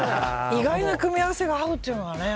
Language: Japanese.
意外な組み合わせがあるというのがね。